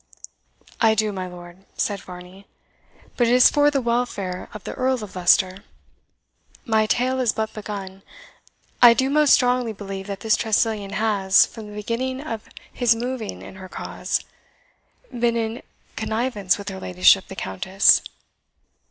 "I do, my lord," said Varney; "but it is for the welfare of the Earl of Leicester. My tale is but begun. I do most strongly believe that this Tressilian has, from the beginning of his moving in her cause, been in connivance with her ladyship the Countess."